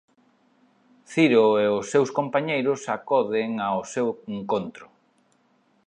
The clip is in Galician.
Ciro e os seus compañeiros acoden ó seu encontro.